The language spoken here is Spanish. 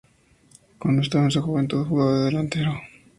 Cuando estaba en su juventud, jugaba de delantero.